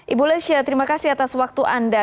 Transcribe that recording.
ibu lesha terima kasih atas waktu anda